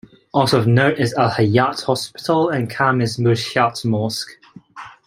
Also of note is Al-Hayat Hospital and Khamis Mushayt Mosque.